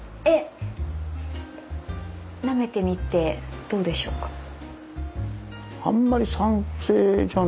えっなめてみてどうでしょうか？